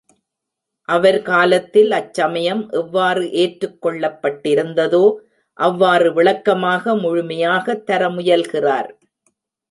அவர் காலத்தில் அச்சமயம் எவ்வாறு ஏற்றுக் கொள்ளப்பட்டிருந்ததோ அவ்வாறு விளக்கமாக, முழுமையாகத் தர முயல்கிறார்.